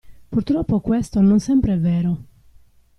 Purtroppo questo non sempre è vero!